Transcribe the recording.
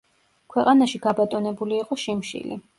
ქვეყანაში გაბატონებული იყო შიმშილი.